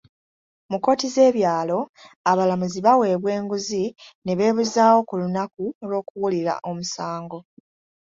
Mu kkooti z'ebyalo, abalamuzi baweebwa enguzi ne beebuzaawo ku lunaku lw'okuwulira omusango.